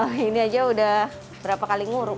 iya ini saja sudah berapa kali ngurum